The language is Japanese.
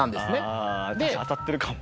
確かに当たってるかも。